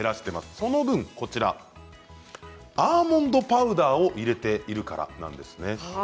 その分アーモンドパウダーを入れているからなんですね。